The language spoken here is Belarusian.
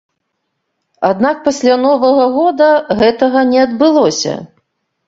Аднак пасля новага года гэтага не адбылося.